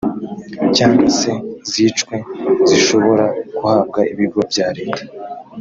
cyangwa se zicwe zishobora guhabwa ibigo bya leta